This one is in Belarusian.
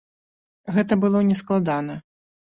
Гэта было не складана.